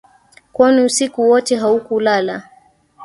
Kwani usiku wote haukulala